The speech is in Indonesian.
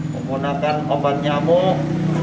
menggunakan obat nyamuk